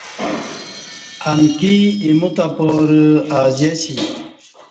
امکِی ایمو تہ پارہ ازیسی